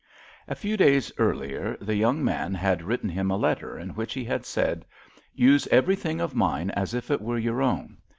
A few days earlier the young man had written him a letter in which he had said: "Use everything of mine as if it were your own.